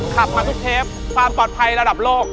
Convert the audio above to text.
ขับมาทุกเทปความปลอดภัยระดับโลก